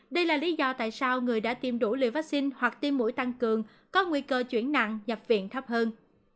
đây là lý do tại sao người đã tiêm đủ liều vaccine hoặc tiêm mũi tăng cường có nguy cơ chuyển nặng nhập viện thấp hơn